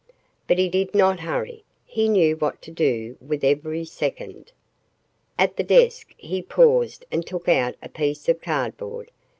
But he did not hurry. He knew what to do with every second. At the desk he paused and took out a piece of cardboard.